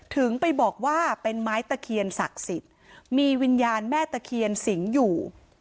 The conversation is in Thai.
ถึงไปบอกว่าเป็นไม้ตะเคียนศักดิ์สิทธิ์มีวิญญาณแม่ตะเคียนสิงห์อยู่